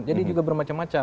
jadi juga bermacam macam